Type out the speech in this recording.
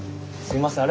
すいません。